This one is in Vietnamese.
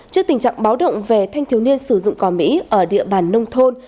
trước tình trạng báo động về thanh thiếu niên sử dụng cỏ mỹ ở địa bàn nông thôn